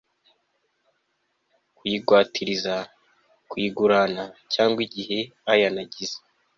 kuyigwatiriza, kuyigurana, cyangwa igihe ayan giza